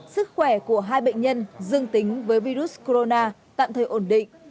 sức khỏe của hai bệnh nhân dương tính với virus corona tạm thời ổn định